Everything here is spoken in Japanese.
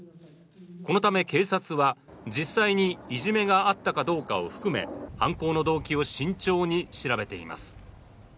このため、警察は実際にいじめがあったかどうかを含め犯行の動機を慎重に調べています。